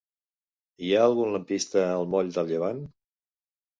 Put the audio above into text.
Hi ha algun lampista al moll de Llevant?